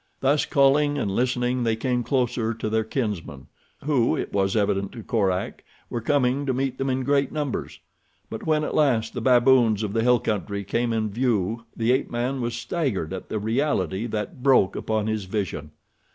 Thus, calling and listening, they came closer to their kinsmen, who, it was evident to Korak, were coming to meet them in great numbers; but when, at last, the baboons of the hill country came in view the ape man was staggered at the reality that broke upon his vision.